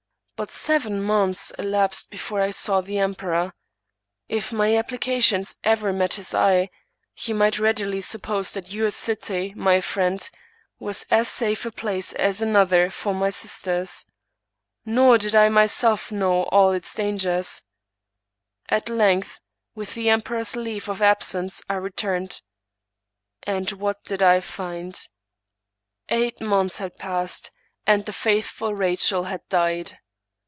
But seven months elapsed before I saw the em peror. If my applications ever met his eye he might readily suppose that your city, my friend, was as safe a place as another for my sisters. Nor did I myself know all its English Mystery Stories dangers. At length, with the emperor's leave of absence, I returned. And what did I find? Eight months had passed, and the faithful Rachael had died.